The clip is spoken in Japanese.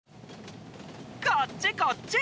こっちこっち！